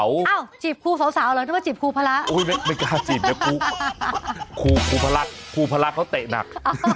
อ้าวจีบครูสาวหรือจีบครูพระไม่กล้าจีบครูพระเขาเตะหนัก